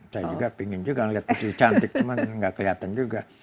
saya juga pingin juga melihat isu cantik cuman gak kelihatan juga